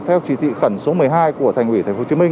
theo chỉ thị khẩn số một mươi hai của thành ủy tp hcm